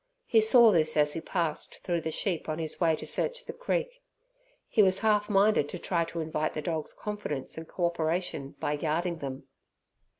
He saw this as he passed through the sheep on his way to search the creek. He was half minded to try to invite the dog's confidence and cooperation by yarding them.